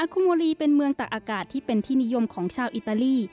คุมโมลีเป็นเมืองตักอากาศที่เป็นที่นิยมของชาวอิตาลี